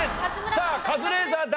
さあカズレーザーだけ！